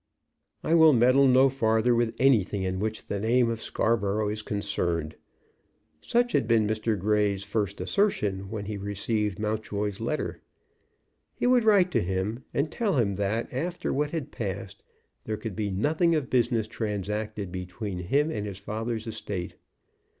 "I will meddle no farther with anything in which the name of Scarborough is concerned." Such had been Mr. Grey's first assertion when he received Mountjoy's letter. He would write to him and tell him that, after what had passed, there could be nothing of business transacted between him and his father's estate.